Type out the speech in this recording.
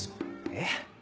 えっ？